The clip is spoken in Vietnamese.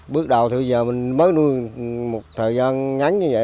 bước đầu thì bây giờ mình mới nuôi một thời gian ngắn như vậy